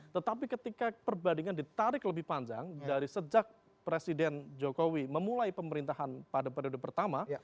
tetapi ketika perbandingan ditarik lebih panjang dari sejak presiden jokowi memulai pemerintahan pada periode pertama